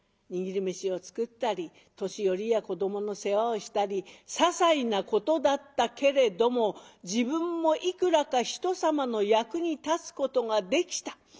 握り飯を作ったり年寄りや子どもの世話をしたりささいなことだったけれども自分もいくらかひとさまの役に立つことができた。